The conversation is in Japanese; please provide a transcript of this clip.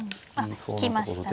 引きましたね。